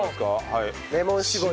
レモン搾り。